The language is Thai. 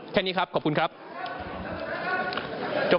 ถ้าเหตุการณ์